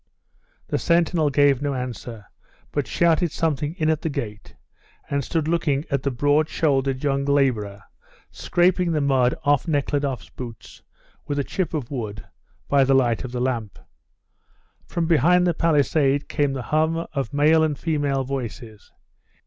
The sentinel gave no answer, but shouted something in at the gate and stood looking at the broad shouldered young labourer scraping the mud off Nekhludoff's boots with a chip of wood by the light of the lamp. From behind the palisade came the hum of male and female voices.